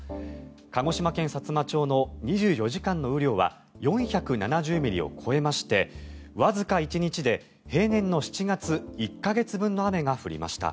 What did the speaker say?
鹿児島県さつま町の２４時間の雨量は４７０ミリを超えましてわずか１日で平年の７月１か月分の雨が降りました。